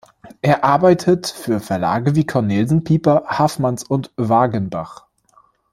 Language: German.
Er arbeitet für Verlage wie Cornelsen, Piper, Haffmans und Wagenbach.